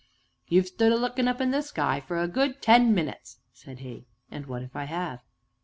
"You've stood a lookin' up into the sky for a good ten minutes!" said he. "And what if I have?"